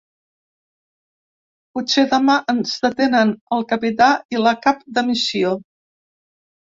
Potser demà ens detenen al capità i la cap de missió.